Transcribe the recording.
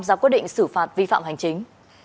ra quyết định xử phạt vi phạm hành chính